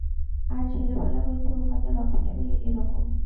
আর ছেলেবেলা হইতে উঁহাদের অভ্যাসই একরকম।